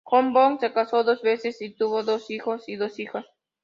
John Wood se casó dos veces y tuvo dos hijos y dos hijas.